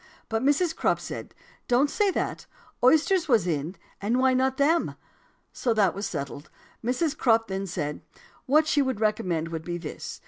But Mrs. Crupp said, 'Don't say that; oysters was in, and why not them?' So that was settled. Mrs. Crupp then said 'What she would recommend would be this.